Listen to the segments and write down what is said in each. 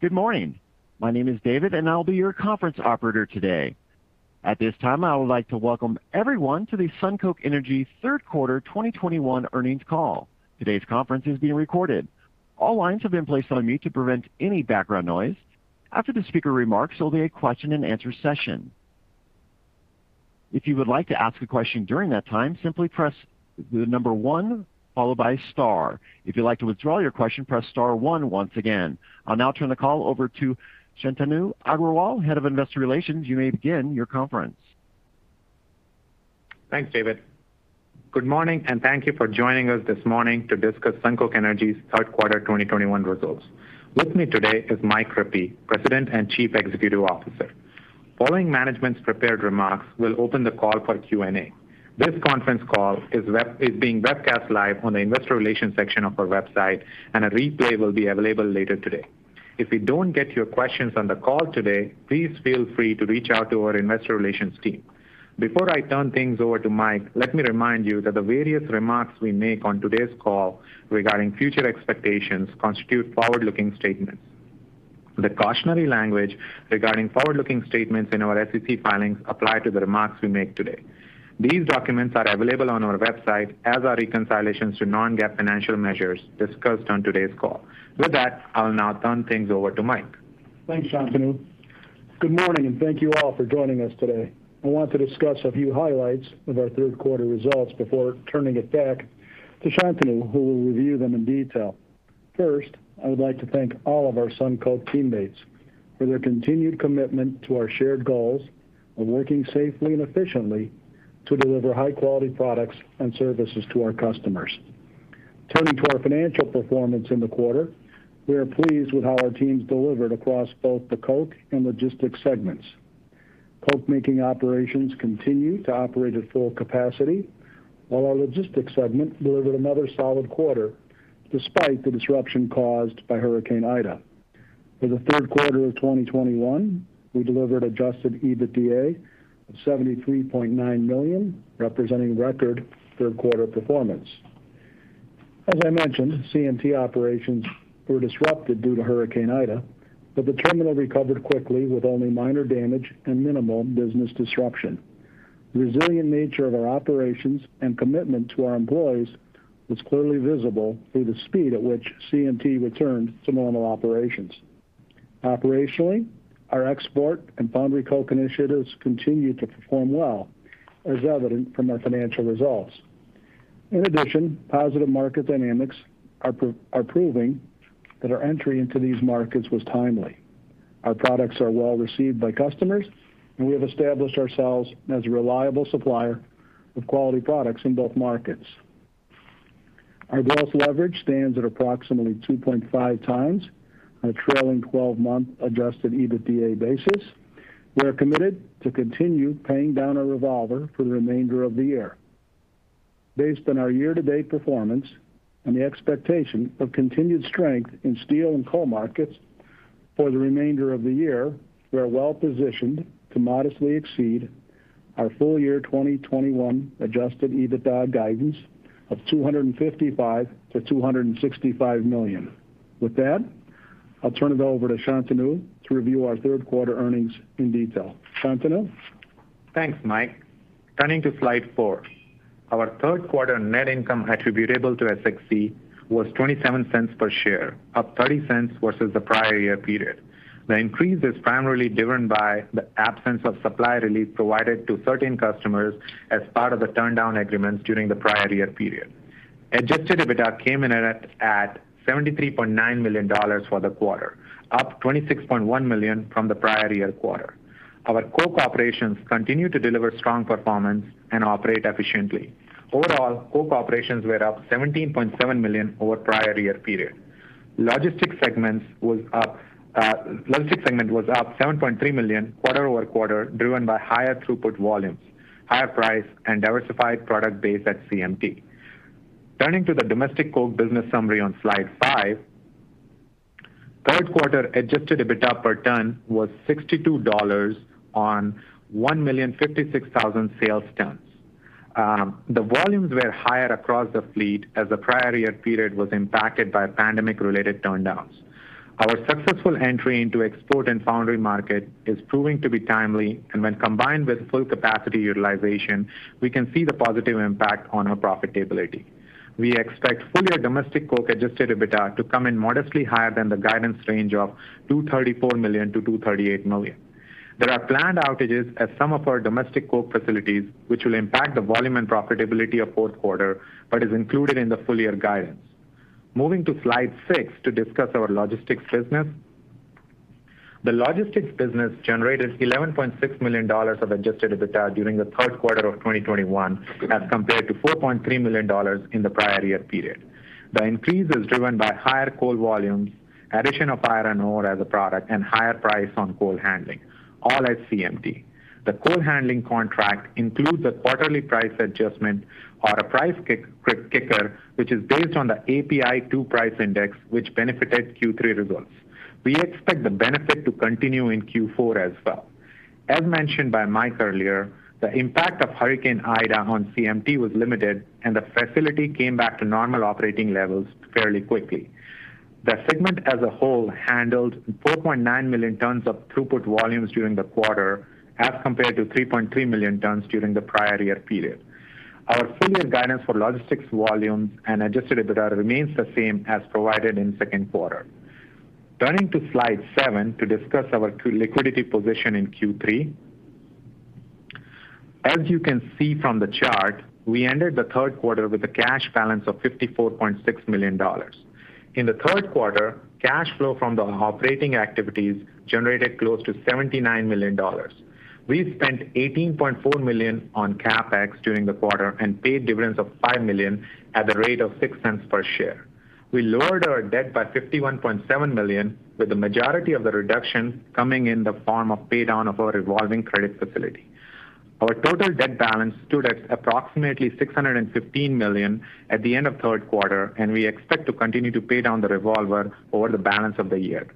Good morning. My name is David, and I'll be your conference operator today. At this time, I would like to welcome everyone to the SunCoke Energy third quarter 2021 earnings call. Today's conference is being recorded. All lines have been placed on mute to prevent any background noise. After the speaker remarks, there'll be a question-and-answer session. If you would like to ask a question during that time, simply press one followed by star. If you'd like to withdraw your question, press star one once again. I'll now turn the call over to Shantanu Agrawal, Head of Investor Relations. You may begin your conference. Thanks, David. Good morning, and thank you for joining us this morning to discuss SunCoke Energy's third quarter 2021 results. With me today is Mike Rippey, President and Chief Executive Officer. Following management's prepared remarks, we'll open the call for Q&A. This conference call is being webcast live on the investor relations section of our website, and a replay will be available later today. If we don't get your questions on the call today, please feel free to reach out to our investor relations team. Before I turn things over to Mike, let me remind you that the various remarks we make on today's call regarding future expectations constitute forward-looking statements. The cautionary language regarding forward-looking statements in our SEC filings apply to the remarks we make today. These documents are available on our website as are reconciliations to non-GAAP financial measures discussed on today's call. With that, I'll now turn things over to Mike. Thanks, Shantanu. Good morning, and thank you all for joining us today. I want to discuss a few highlights of our third quarter results before turning it back to Shantanu, who will review them in detail. First, I would like to thank all of our SunCoke teammates for their continued commitment to our shared goals of working safely and efficiently to deliver high-quality products and services to our customers. Turning to our financial performance in the quarter, we are pleased with how our teams delivered across both the coke and logistics segments. Coke making operations continue to operate at full capacity, while our logistics segment delivered another solid quarter despite the disruption caused by Hurricane Ida. For the third quarter of 2021, we delivered Adjusted EBITDA of $73.9 million, representing record third quarter performance. As I mentioned, CMT operations were disrupted due to Hurricane Ida, but the terminal recovered quickly with only minor damage and minimal business disruption. The resilient nature of our operations and commitment to our employees was clearly visible through the speed at which CMT returned to normal operations. Operationally, our export and foundry coke initiatives continue to perform well, as evident from our financial results. In addition, positive market dynamics are proving that our entry into these markets was timely. Our products are well received by customers, and we have established ourselves as a reliable supplier of quality products in both markets. Our gross leverage stands at approximately 2.5x on a trailing 12-month Adjusted EBITDA basis. We are committed to continue paying down our revolver for the remainder of the year. Based on our year-to-date performance and the expectation of continued strength in steel and coal markets for the remainder of the year, we are well-positioned to modestly exceed our full year 2021 Adjusted EBITDA guidance of $255 million-$265 million. With that, I'll turn it over to Shantanu to review our third quarter earnings in detail. Shantanu? Thanks, Mike. Turning to slide four. Our third quarter net income attributable to SXC was $0.27 per share, up $0.30 versus the prior year period. The increase is primarily driven by the absence of supply relief provided to certain customers as part of the turndown agreements during the prior year period. Adjusted EBITDA came in at $73.9 million for the quarter, up $26.1 million from the prior year quarter. Our coke operations continue to deliver strong performance and operate efficiently. Overall, coke operations were up $17.7 million over prior year period. Logistics segment was up $7.3 million quarter over quarter, driven by higher throughput volumes, higher price, and diversified product base at CMT. Turning to the domestic coke business summary on slide five. Third quarter Adjusted EBITDA per ton was $62 on 1,056,000 sales tons. The volumes were higher across the fleet as the prior year period was impacted by pandemic-related turndowns. Our successful entry into export and foundry market is proving to be timely, and when combined with full capacity utilization, we can see the positive impact on our profitability. We expect full-year domestic coke Adjusted EBITDA to come in modestly higher than the guidance range of $234 million-$238 million. There are planned outages at some of our domestic coke facilities, which will impact the volume and profitability of fourth quarter but is included in the full-year guidance. Moving to slide six to discuss our logistics business. The logistics business generated $11.6 million of Adjusted EBITDA during the third quarter of 2021 as compared to $4.3 million in the prior year period. The increase is driven by higher coal volumes, addition of iron ore as a product, and higher price on coal handling, all at CMT. The coal handling contract includes a quarterly price adjustment or a price kicker, which is based on the API2 price index, which benefited Q3 results. We expect the benefit to continue in Q4 as well. As mentioned by Mike earlier, the impact of Hurricane Ida on CMT was limited and the facility came back to normal operating levels fairly quickly. The segment as a whole handled 4.9 million tons of throughput volumes during the quarter as compared to 3.3 million tons during the prior year period. Our full year guidance for logistics volumes and Adjusted EBITDA remains the same as provided in second quarter. Turning to slide seven to discuss our liquidity position in Q3. As you can see from the chart, we entered the third quarter with a cash balance of $54.6 million. In the third quarter, cash flow from the operating activities generated close to $79 million. We spent $18.4 million on CapEx during the quarter and paid dividends of $5 million at the rate of $0.06 per share. We lowered our debt by $51.7 million, with the majority of the reduction coming in the form of pay down of our revolving credit facility. Our total debt balance stood at approximately $615 million at the end of third quarter, and we expect to continue to pay down the revolver over the balance of the year.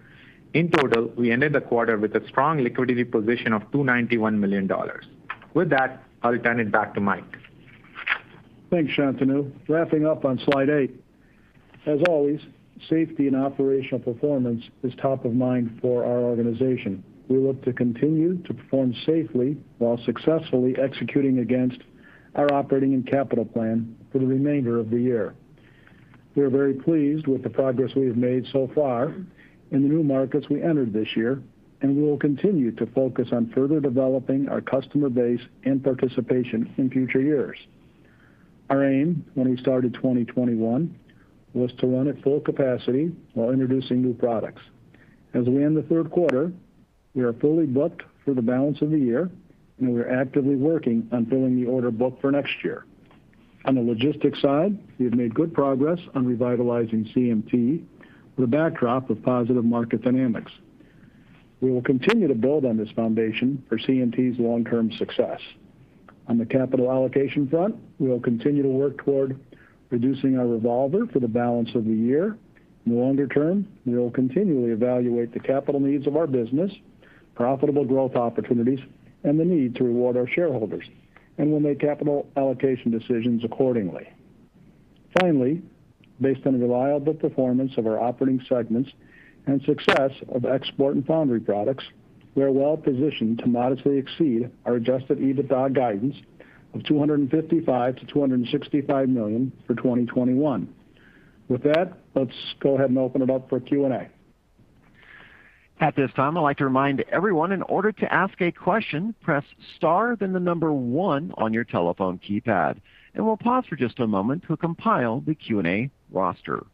In total, we ended the quarter with a strong liquidity position of $291 million. With that, I'll turn it back to Mike. Thanks, Shantanu. Wrapping up on slide eight. As always, safety and operational performance is top of mind for our organization. We look to continue to perform safely while successfully executing against our operating and capital plan for the remainder of the year. We are very pleased with the progress we have made so far in the new markets we entered this year, and we will continue to focus on further developing our customer base and participation in future years. Our aim when we started 2021 was to run at full capacity while introducing new products. As we end the third quarter, we are fully booked for the balance of the year and we are actively working on filling the order book for next year. On the logistics side, we have made good progress on revitalizing CMT with a backdrop of positive market dynamics. We will continue to build on this foundation for CMT's long-term success. On the capital allocation front, we will continue to work toward reducing our revolver for the balance of the year. In the longer term, we will continually evaluate the capital needs of our business, profitable growth opportunities and the need to reward our shareholders, and we'll make capital allocation decisions accordingly. Finally, based on reliable performance of our operating segments and success of export and foundry products, we are well positioned to modestly exceed our Adjusted EBITDA guidance of $255 million-$265 million for 2021. With that, let's go ahead and open it up for Q&A. At this time, I'd like to remind everyone in order to ask a question, press star then the number one on your telephone keypad, and we'll pause for just a moment to compile the Q&A roster.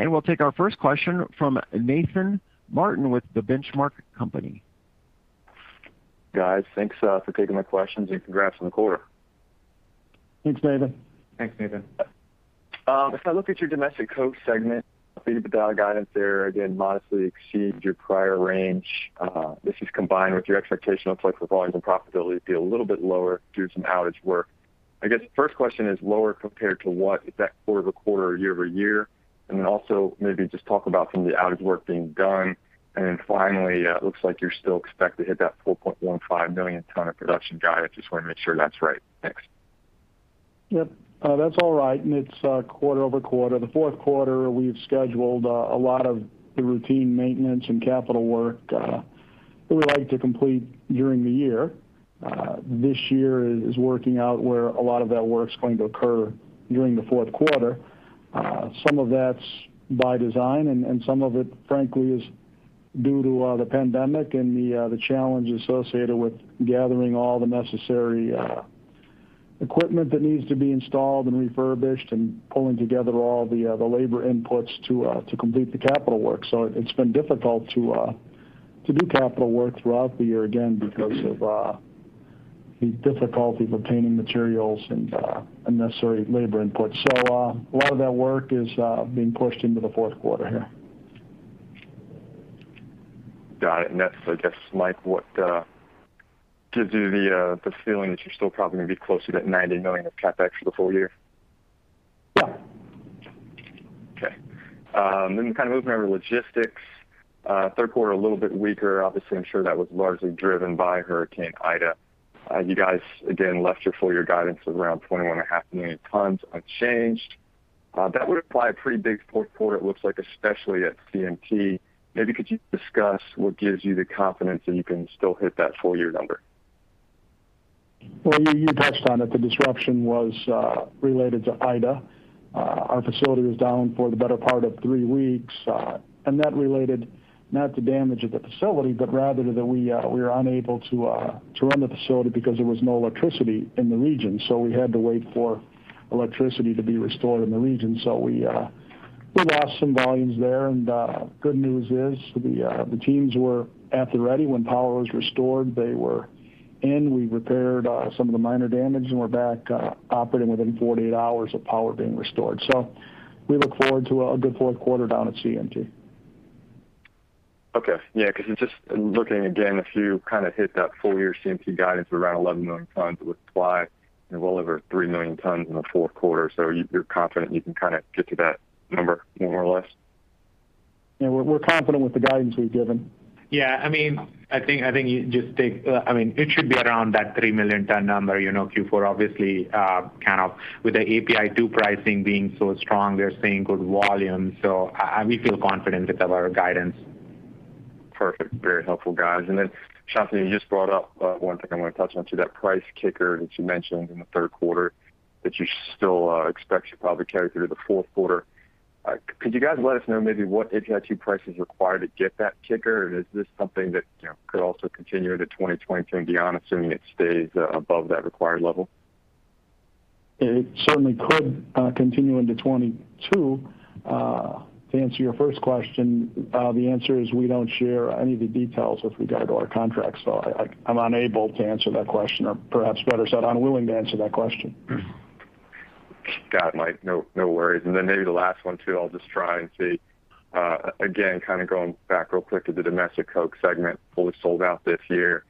Okay. We'll take our first question from Nathan Martin with The Benchmark Company. Guys, thanks, for taking my questions and congrats on the quarter. Thanks, Nathan. Thanks, Nathan. If I look at your domestic coke segment, EBITDA guidance there again modestly exceeds your prior range. This is combined with your expectation of flexible volumes and profitability to be a little bit lower due to some outage work. I guess the first question is lower compared to what? Is that quarter-over-quarter or year-over-year? Also maybe just talk about some of the outage work being done. It looks like you're still expected to hit that 4.15 million tons of production guide. I just want to make sure that's right. Thanks. Yep. That's all right. It's quarter-over-quarter. The fourth quarter we've scheduled a lot of the routine maintenance and capital work that we like to complete during the year. This year is working out where a lot of that work's going to occur during the fourth quarter. Some of that's by design and some of it frankly is due to the pandemic and the challenge associated with gathering all the necessary equipment that needs to be installed and refurbished and pulling together all the labor inputs to complete the capital work. It's been difficult to do capital work throughout the year again because of the difficulty of obtaining materials and necessary labor inputs. A lot of that work is being pushed into the fourth quarter here. Got it. That's I guess, Mike, what gives you the feeling that you're still probably gonna be closer to that $90 million of CapEx for the full year? Okay. Kind of moving over to logistics. Third quarter a little bit weaker obviously I'm sure that was largely driven by Hurricane Ida. You guys again left your full year guidance of around 21.5 million tons unchanged. That would imply a pretty big fourth quarter it looks like especially at CMT. Maybe you could discuss what gives you the confidence that you can still hit that full year number? Well, you touched on it. The disruption was related to Ida. Our facility was down for the better part of three weeks, and that related not to damage of the facility, but rather that we were unable to run the facility because there was no electricity in the region. We had to wait for electricity to be restored in the region. We lost some volumes there. Good news is the teams were at the ready when power was restored, they were in, we repaired some of the minor damage and we're back operating within 48 hours of power being restored. We look forward to a good fourth quarter down at CMT. Okay. Yeah, 'cause it's just looking again, if you kind of hit that full year CMT guidance of around 11 million tons with supply and well over 3 million tons in the fourth quarter. You're confident you can kind of get to that number more or less? Yeah, we're confident with the guidance we've given. I mean, I think it should be around that 3 million ton number. You know, Q4 obviously, kind of with the API2 pricing being so strong, they're seeing good volume. We feel confident with our guidance. Perfect. Very helpful, guys. Shantanu, you just brought up one thing I want to touch on, too, that price kicker that you mentioned in the third quarter that you still expect should probably carry through the fourth quarter. Could you guys let us know maybe what API2 price is required to get that kicker? Is this something that, you know, could also continue into 2022 and beyond, assuming it stays above that required level? It certainly could continue into 2022. To answer your first question, the answer is we don't share any of the details with regard to our contracts. I'm unable to answer that question, or perhaps better said, unwilling to answer that question. Got it, Mike. No, no worries. Then maybe the last one, too, I'll just try and see, again, kind of going back real quick to the domestic coke segment fully sold out this year.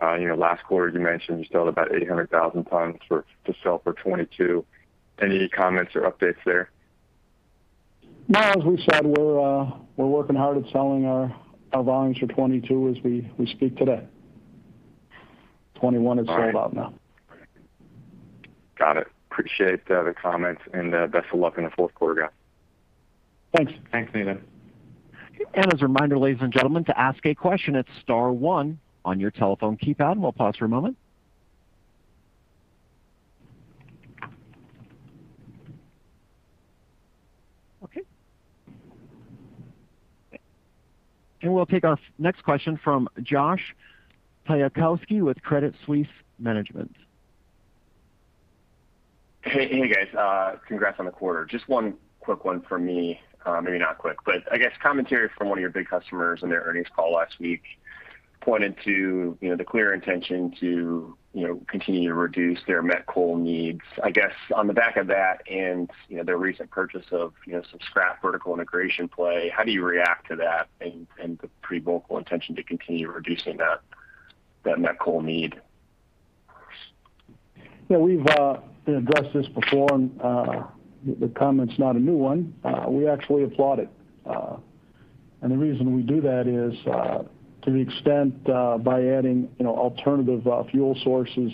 You know, last quarter, you mentioned you still had about 800,000 tons for, to sell for 2022. Any comments or updates there? No, as we said, we're working hard at selling our volumes for 2022 as we speak today. 2021 is sold out now. All right. Got it. Appreciate the comments and best of luck in the fourth quarter, guys. Thanks. Thanks, Nathan. As a reminder, ladies and gentlemen, to ask a question, it's star one on your telephone keypad, and we'll pause for a moment. Okay. We'll take our next question from Josh Taykowski with Credit Suisse. Hey, guys. Congrats on the quarter. Just one quick one from me. Maybe not quick, but I guess commentary from one of your big customers in their earnings call last week pointed to, you know, the clear intention to, you know, continue to reduce their met coal needs. I guess on the back of that and, you know, their recent purchase of, you know, some scrap vertical integration play, how do you react to that and the pretty vocal intention to continue reducing that met coal need? Yeah, we've you know addressed this before and the comment's not a new one. We actually applaud it. The reason we do that is to the extent by adding you know alternative fuel sources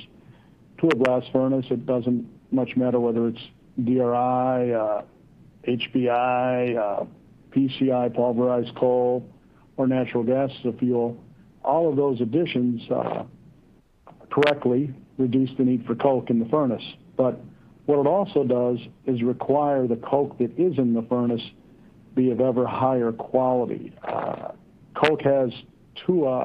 to a blast furnace it doesn't much matter whether it's DRI, HBI, PCI, pulverized coal or natural gas as a fuel. All of those additions correctly reduce the need for coke in the furnace. What it also does is require the coke that is in the furnace be of ever higher quality. Coke has two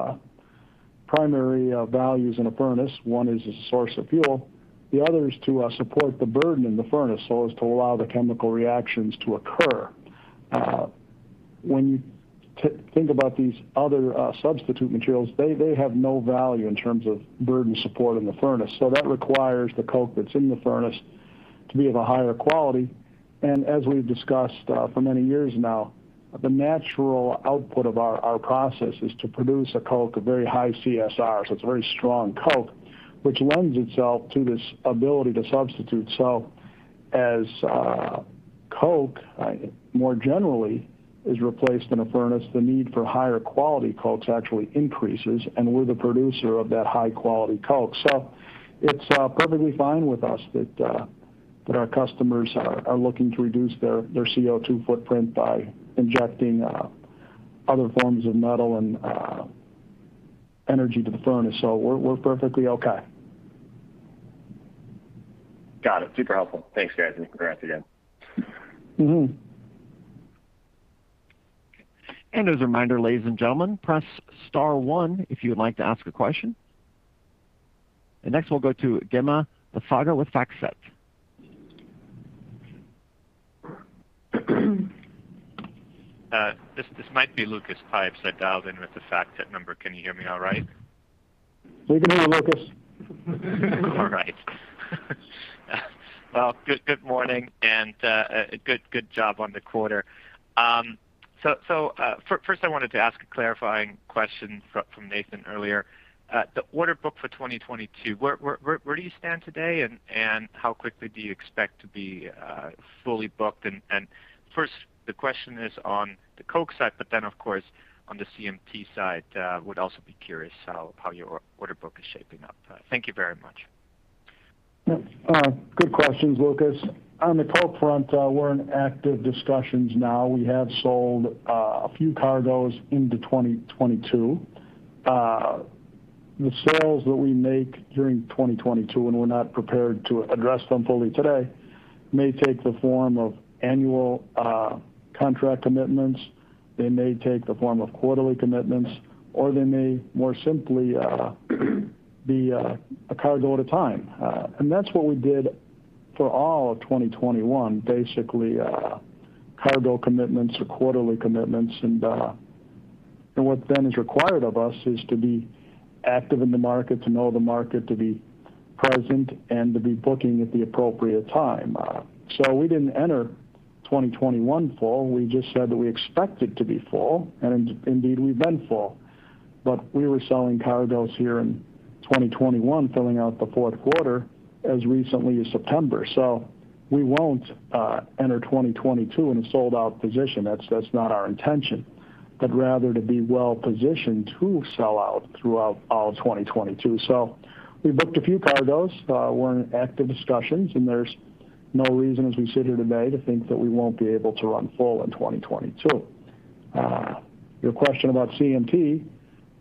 primary values in a furnace. One is a source of fuel, the other is to support the burden in the furnace so as to allow the chemical reactions to occur. When you think about these other substitute materials, they have no value in terms of burden support in the furnace. That requires the coke that's in the furnace to be of a higher quality. As we've discussed for many years now, the natural output of our process is to produce a coke, a very high CSR, so it's a very strong coke, which lends itself to this ability to substitute. As coke more generally is replaced in a furnace, the need for higher quality cokes actually increases, and we're the producer of that high quality coke. It's perfectly fine with us that our customers are looking to reduce their CO2 footprint by injecting other forms of metal and energy to the furnace. We're perfectly okay. Got it. Super helpful. Thanks, guys, and congrats again. Mm-hmm. As a reminder, ladies and gentlemen, press star one if you would like to ask a question. Next, we'll go to Gemma [Fargo] with FactSet. This might be Lucas Pipes. I dialed in with the FactSet number. Can you hear me all right? We can hear you, Lucas. All right. Well, good morning and good job on the quarter. So first I wanted to ask a clarifying question from Nathan earlier. The order book for 2022, where do you stand today and how quickly do you expect to be fully booked? First the question is on the coke side, but then of course on the CMT side, would also be curious how your order book is shaping up. Thank you very much. Good questions, Lucas. On the coke front, we're in active discussions now. We have sold a few cargoes into 2022. The sales that we make during 2022, and we're not prepared to address them fully today, may take the form of annual contract commitments. They may take the form of quarterly commitments, or they may more simply be a cargo at a time. That's what we did for all of 2021, basically, cargo commitments or quarterly commitments. What then is required of us is to be active in the market, to know the market, to be present and to be booking at the appropriate time. We didn't enter 2021 full. We just said that we expected to be full, and indeed, we've been full. We were selling cargoes here in 2021, filling out the fourth quarter as recently as September. We won't enter 2022 in a sold-out position. That's not our intention, but rather to be well positioned to sell out throughout all of 2022. We booked a few cargoes. We're in active discussions, and there's no reason as we sit here today to think that we won't be able to run full in 2022. Your question about CMT,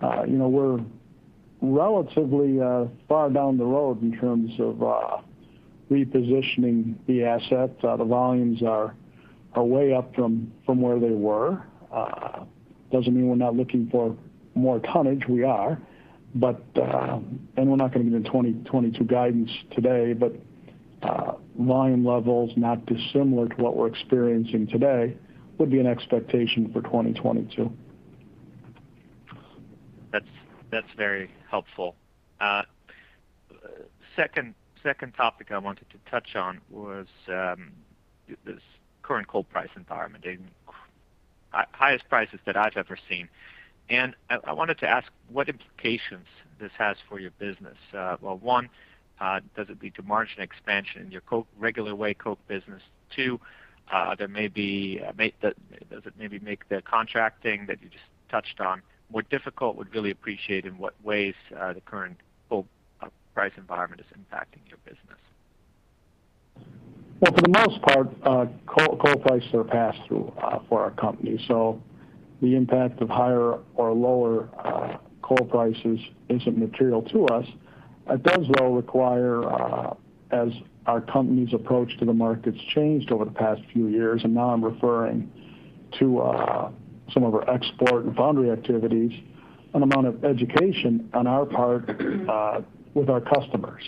we're relatively far down the road in terms of repositioning the asset. The volumes are way up from where they were. Doesn't mean we're not looking for more tonnage. We are. We're not gonna give you the 2022 guidance today, but volume levels not dissimilar to what we're experiencing today would be an expectation for 2022. That's very helpful. Second topic I wanted to touch on was this current coal price environment and highest prices that I've ever seen. I wanted to ask what implications this has for your business. Well, one, does it lead to margin expansion in your coke regular way coke business? Two, does it maybe make the contracting that you just touched on more difficult? I would really appreciate in what ways the current coal price environment is impacting your business. Well, for the most part, coal prices are pass through for our company. The impact of higher or lower coal prices isn't material to us. It does, though, require, as our company's approach to the market's changed over the past few years, and now I'm referring to some of our export and foundry activities, an amount of education on our part with our customers.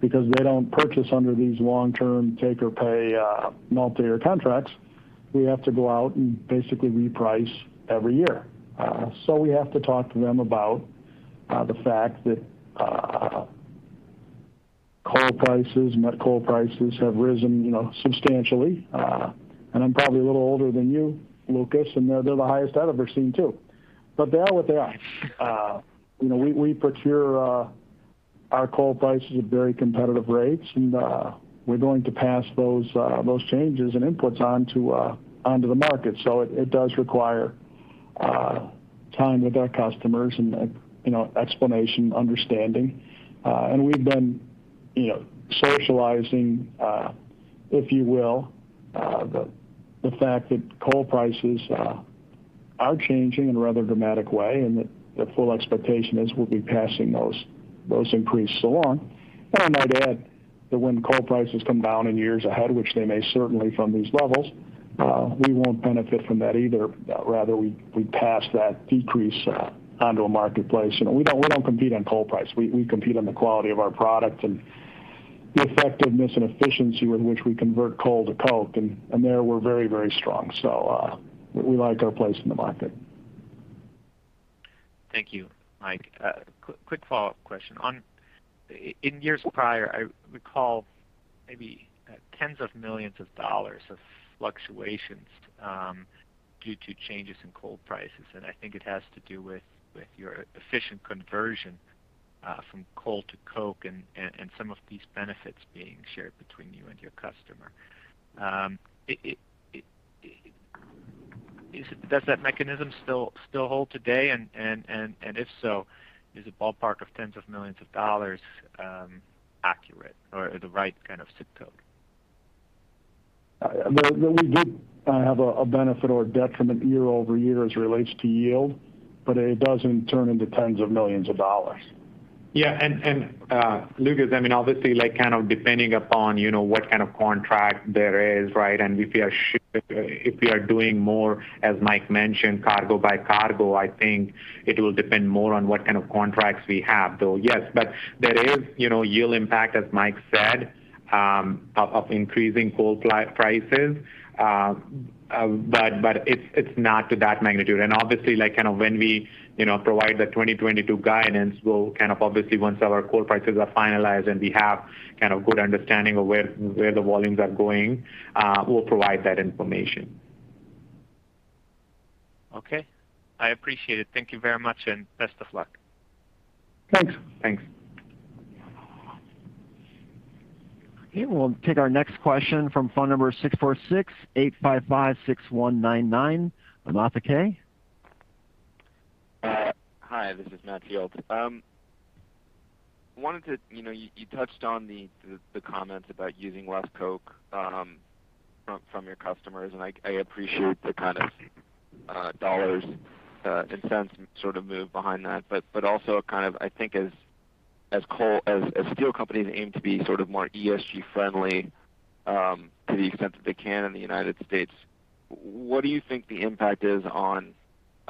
Because they don't purchase under these long-term take or pay multi-year contracts, we have to go out and basically reprice every year. We have to talk to them about the fact that coal prices, met coal prices have risen, you know, substantially. I'm probably a little older than you, Lucas, and they're the highest I've ever seen too. With that, you know, we procure our coal prices at very competitive rates, and we're going to pass those changes and inputs onto the market. It does require time with our customers and explanation, understanding. We've been, you know, socializing, if you will, the fact that coal prices are changing in a rather dramatic way, and the full expectation is we'll be passing those increases along. I might add that when coal prices come down in years ahead, which they may certainly from these levels, we won't benefit from that either. Rather, we pass that decrease onto a marketplace. You know, we don't compete on coal price. We compete on the quality of our product and the effectiveness and efficiency with which we convert coal to coke. There, we're very strong. We like our place in the market. Thank you, Mike. Quick follow-up question. In years prior, I recall maybe tens of millions of dollars of fluctuations due to changes in coal prices. I think it has to do with your efficient conversion from coal to coke and some of these benefits being shared between you and your customer. Does that mechanism still hold today? If so, is the ballpark of tens of millions of dollars accurate or the right kind of zip code? We did have a benefit or a detriment year-over-year as it relates to yield, but it doesn't turn into tens of millions of dollars. Yeah. Lucas, I mean, obviously, like, kind of depending upon, you know, what kind of contract there is, right? If you are doing more, as Mike mentioned, cargo by cargo, I think it will depend more on what kind of contracts we have, though. Yes, but there is, you know, yield impact, as Mike said, of increasing coal prices. But it's not to that magnitude. Obviously, like, kind of when we, you know, provide the 2022 guidance, we'll kind of obviously once our coal prices are finalized and we have kind of good understanding of where the volumes are going, we'll provide that information. Okay. I appreciate it. Thank you very much, and best of luck. Thanks. Thanks. Okay. We'll take our next question from phone number 646-855-6199 of [Matthew K.]. Hi. This is Matt Fields. Wanted to—you know, you touched on the comments about using less coke from your customers, and I appreciate the kind of dollars and cents sort of move behind that. Also kind of I think as steel companies aim to be sort of more ESG friendly, to the extent that they can in the United States, what do you think the impact is on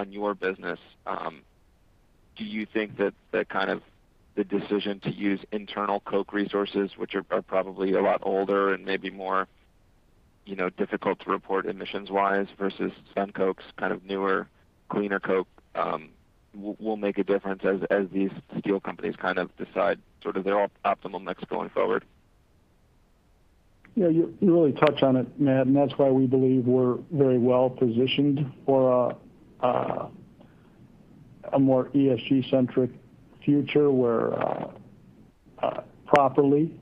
your business? Do you think that the kind of the decision to use internal coke resources, which are probably a lot older and maybe more you know, difficult to report emissions wise versus SunCoke's kind of newer, cleaner coke, will make a difference as these steel companies kind of decide sort of their optimal mix going forward. Yeah, you really touch on it, Matt, and that's why we believe we're very well positioned for a more ESG centric future where properly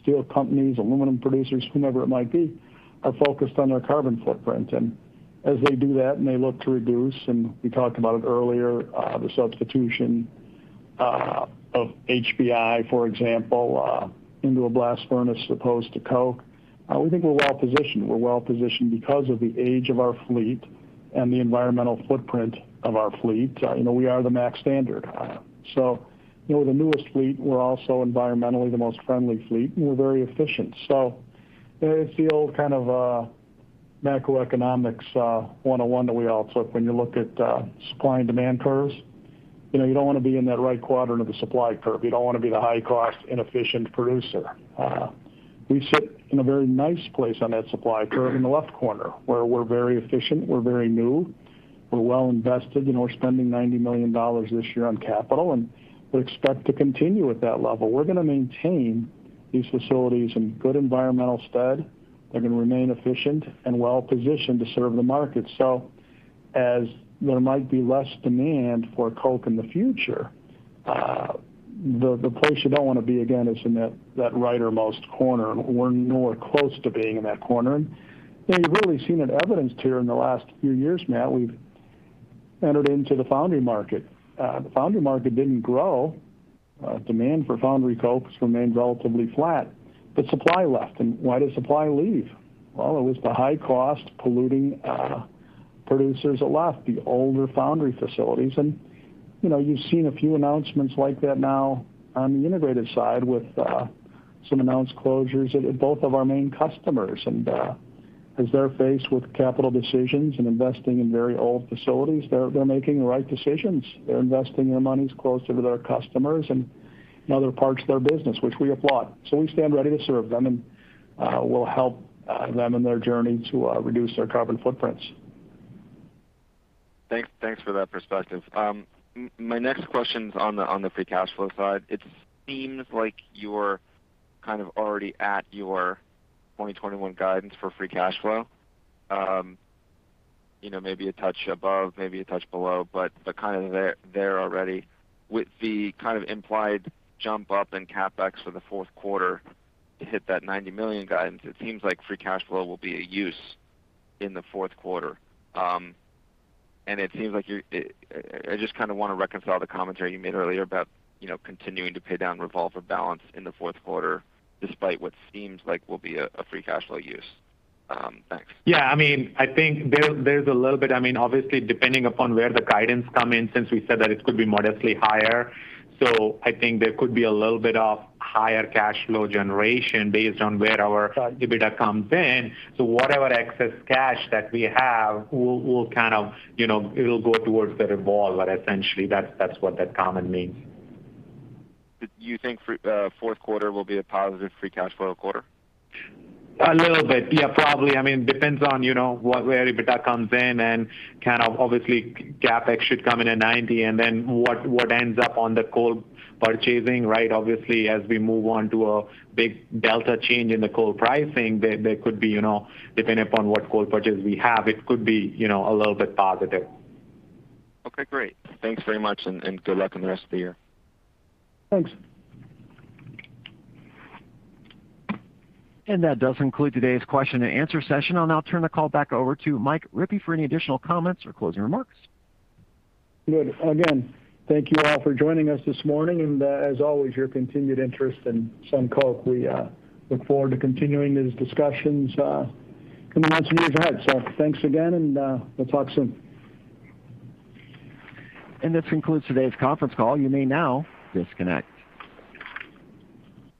steel companies, aluminum producers, whomever it might be, are focused on their carbon footprint. As they do that and they look to reduce, and we talked about it earlier, the substitution of HBI, for example, into a blast furnace as opposed to coke. We think we're well positioned. We're well positioned because of the age of our fleet and the environmental footprint of our fleet. You know, we are the MACT standard. You know, the newest fleet, we're also environmentally the most friendly fleet, and we're very efficient. It's the old kind of macroeconomics 101 that we all took when you look at supply and demand curves. You know, you don't want to be in that right quadrant of the supply curve. You don't want to be the high cost inefficient producer. We sit in a very nice place on that supply curve in the left corner where we're very efficient, we're very new, we're well invested. You know, we're spending $90 million this year on capital, and we expect to continue at that level. We're gonna maintain these facilities in good environmental stead. They're gonna remain efficient and well positioned to serve the market. As there might be less demand for coke in the future, the place you don't wanna be again is in that rightmost corner. We're nowhere close to being in that corner. You've really seen it evidenced here in the last few years, Matt. We've entered into the foundry market. The foundry market didn't grow. Demand for foundry cokes remained relatively flat, but supply left. Why does supply leave? Well, it was the high cost polluting producers that left the older foundry facilities. You know, you've seen a few announcements like that now on the integrated side with some announced closures at both of our main customers. As they're faced with capital decisions and investing in very old facilities, they're making the right decisions. They're investing their monies closer to their customers and in other parts of their business, which we applaud. We stand ready to serve them, and we'll help them in their journey to reduce their carbon footprints. Thanks. Thanks for that perspective. My next question's on the free cash flow side. It seems like you're kind of already at your 2021 guidance for free cash flow. You know, maybe a touch above, maybe a touch below, but kind of there already. With the kind of implied jump up in CapEx for the fourth quarter to hit that $90 million guidance, it seems like free cash flow will be a use in the fourth quarter. It seems like I just kind of want to reconcile the commentary you made earlier about, you know, continuing to pay down revolver balance in the fourth quarter despite what seems like will be a free cash flow use. Thanks. Yeah, I mean, I think there's a little bit. I mean, obviously, depending upon where the guidance come in, since we said that it could be modestly higher. I think there could be a little bit of higher cash flow generation based on where our EBITDA comes in. Whatever excess cash that we have will kind of, you know, it'll go towards the revolver essentially. That's what that comment means. Do you think fourth quarter will be a positive free cash flow quarter? A little bit. Yeah, probably. I mean, depends on, you know, what where EBITDA comes in and kind of obviously CapEx should come in at 90 and then what ends up on the coal purchasing, right? Obviously, as we move on to a big delta change in the coal pricing, there could be, you know, depending upon what coal purchase we have, it could be, you know, a little bit positive. Okay, great. Thanks very much and good luck on the rest of the year. Thanks. That does conclude today's question and answer session. I'll now turn the call back over to Mike Rippey for any additional comments or closing remarks. Good. Again, thank you all for joining us this morning. As always, your continued interest in SunCoke, we look forward to continuing these discussions in the months and years ahead. Thanks again, and we'll talk soon. This concludes today's conference call. You may now disconnect.